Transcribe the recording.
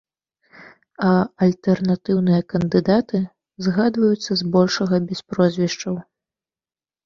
А альтэрнатыўныя кандыдаты згадваюцца збольшага без прозвішчаў.